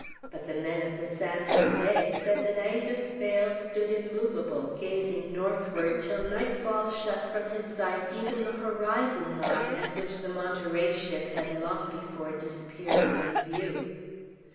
But the men of the "San Jose" said that Angus Phail stood immovable, gazing northward, till nightfall shut from his sight even the horizon line at which the Monterey ship had long before disappeared from view.